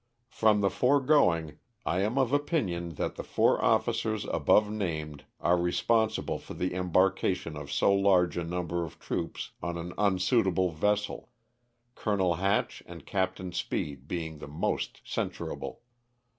" From the foregoing, 1 am of opinion that the four officers above named are re.sp msible for the embarkation of so large a number of troops on an unsuitable vessel, Colonel Hatch and Captain Speed being the most censurable.